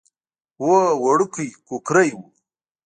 هو وړوکی کوکری و.